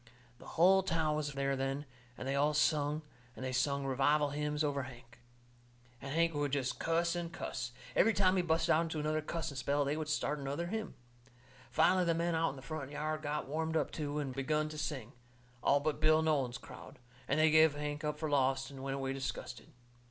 The hull town was there then, and they all sung, and they sung revival hymns over Hank. And Hank he would jest cuss and cuss. Every time he busted out into another cussing spell they would start another hymn. Finally the men out in the front yard got warmed up too, and begun to sing, all but Bill Nolan's crowd, and they give Hank up for lost and went away disgusted.